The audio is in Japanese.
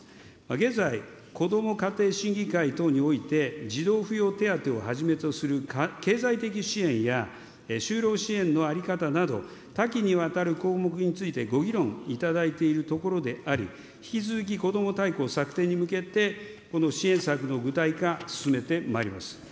現在、こども家庭審議会等において、児童扶養手当をはじめとする経済的支援や、就労支援の在り方など、多岐にわたる項目についてご議論いただいているところであり、引き続きこども大綱策定に向けて、この支援策の具体化、進めてまいります。